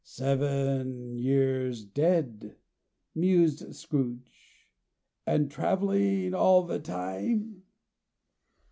"Seven years dead," mused Scrooge. "And traveling all the time?"